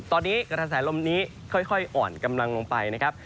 ตอนนี้กระแสลมนี้ค่อยอ่อนกำลังลงไปนะครับ